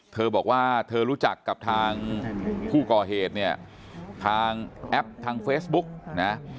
เธอบอกว่าเธอรู้จักกับทางผู้ก่อเหตุเนี่ยทางแอปทางเฟซบุ๊กนะ